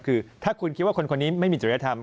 คือถ้าคุณคิดว่าคนคนนี้ไม่มีจริยธรรม